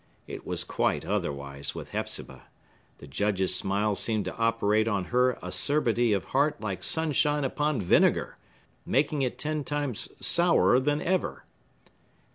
It was quite otherwise with Hepzibah; the Judge's smile seemed to operate on her acerbity of heart like sunshine upon vinegar, making it ten times sourer than ever.